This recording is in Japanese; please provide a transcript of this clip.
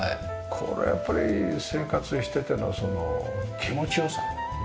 これはやっぱり生活をしていての気持ち良さ。